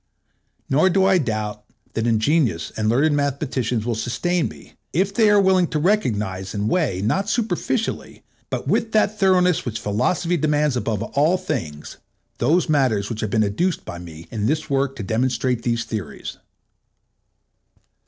Nor do I doubt that ingenious and learned mathematicians will sustain me, if they are willing to recognize and weigh, not superficially, but with that thoroughness which Philosophy demands above all things, those matters which have been adduced by me in this work to demonstrate these theories.